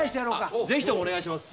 ぜひともお願いします！